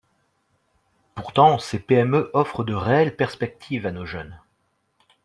Pourtant, ces PME offrent de réelles perspectives à nos jeunes.